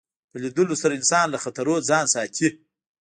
په لیدلو سره انسان له خطرو ځان ساتي